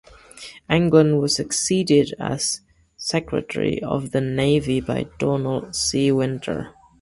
England was succeeded as Secretary of the Navy by Donald C. Winter.